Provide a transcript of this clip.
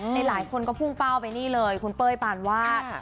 หลายคนก็พุ่งเป้าไปนี่เลยคุณเป้ยปานวาด